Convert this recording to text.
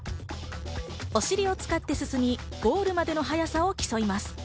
お尻を使って進み、ゴールまでの速さを競います。